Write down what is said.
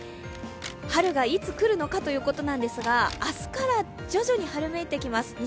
春がいつ来るのかということなんですが、明日から徐々に春めいてきます。